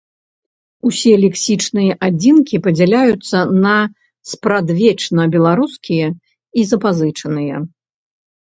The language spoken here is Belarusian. Усе лексічныя адзінкі падзяляюцца на спрадвечна беларускія і запазычаныя.